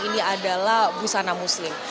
ini adalah busana muslim